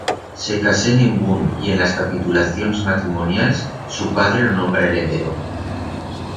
Se casé en Embún y en las capitulacions matrimonials, su padre lo nombra heredero.